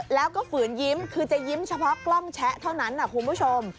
แล้วก็ฝืนยิ้มคือจะยิ้มเฉพาะกล้องแชะเท่านั้นนะคุณผู้ชม